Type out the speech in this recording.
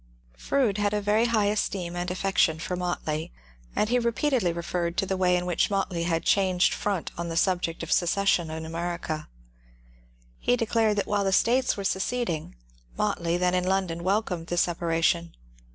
Froude had a veiy high esteem and affection for Motley, \ 204 MONCURE DAIOEL CONWAY and he repeatedly referred to the way in which Motley had changed front on the subject of secession in America. He declared that while the States were seceding, Motley, then in London, welcomed the separation.